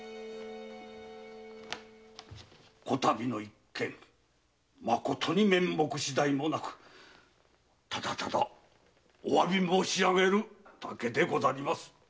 此度の一件まことに面目しだいもなくただただお詫び申し上げるだけでござります！